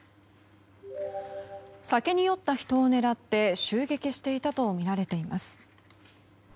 酒に酔った人を狙って襲撃していたとみられています。